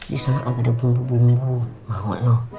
disana gak ada bumbu bumbu maut lo